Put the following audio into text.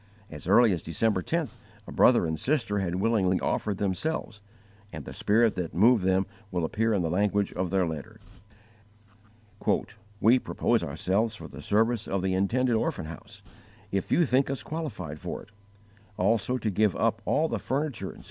As early as December 10th a brother and sister had willingly offered themselves, and the spirit that moved them will appear in the language of their letter: "We propose ourselves for the service of the intended orphan house, if you think us qualified for it; also to give up all the furniture, etc.